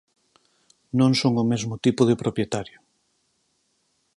Non son o mesmo tipo de propietario.